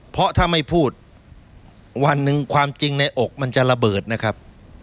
เพราะถ้าไม่พูดวันหนึ่งความจริงในอกมันจะระเบิดนะครับ